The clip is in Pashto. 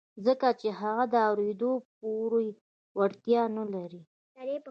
ځکه چې هغه د اورېدو پوره وړتيا نه لري.